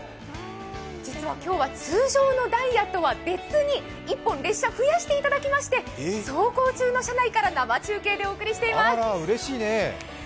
実は今日は、通常のダイヤとは別に１本列車増やしていただきまして走行中の車内から生中継でお送りしています。